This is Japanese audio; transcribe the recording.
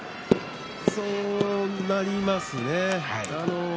そうなりますね。